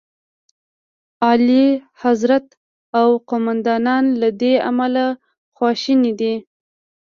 اعلیخضرت او قوماندان له دې امله خواشیني دي.